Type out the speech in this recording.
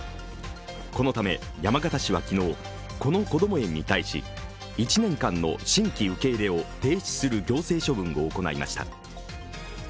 このため山形市は昨日、このこども園に対し１年間の新規受け入れを停止する行政処分を行いました。